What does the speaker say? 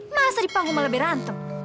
masa di panggung malah berantem